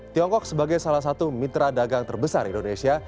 tiongkok sebagai salah satu mitra dagang terbesar indonesia